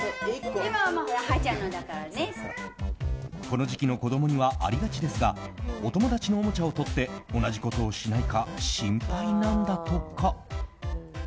この時期の子供にはありがちですがお友達のおもちゃを取って同じことをしないか心配なんだとか。